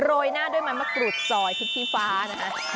โรยหน้าด้วยมะกรูดซอยพริกที่ฟ้านะคะ